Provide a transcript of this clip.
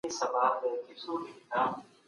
زنبورک څه ته وایي؟